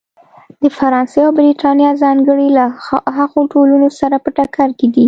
د فرانسې او برېټانیا ځانګړنې له هغو ټولنو سره په ټکر کې دي.